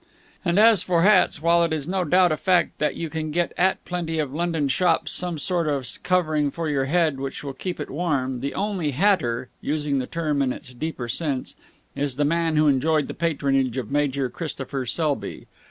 And, as for hats, while it is no doubt a fact that you can get at plenty of London shops some sort of covering for your head which will keep it warm, the only hatter using the term in its deeper sense is the man who enjoyed the patronage of Major Christopher Selby.